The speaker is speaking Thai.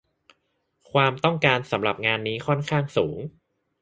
ความต้องการสำหรับงานนี้ค่อนข้างสูง